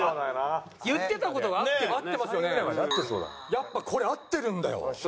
やっぱこれ合ってるんだよ。